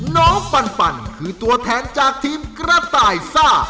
ปันคือตัวแทนจากทีมกระต่ายซ่า